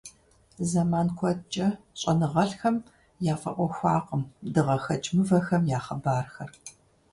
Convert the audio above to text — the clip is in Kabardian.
Зэман куэдкӀэ щӀэныгъэлӀхэм яфӀэӀуэхуакъым дыгъэхэкӀ мывэхэм я хъыбархэр.